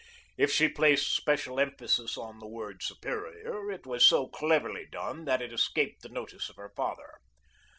If she placed special emphasis on the word "superior" it was so cleverly done that it escaped the notice of her father.